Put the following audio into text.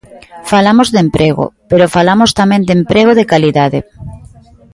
Falamos de emprego, pero falamos tamén de emprego de calidade.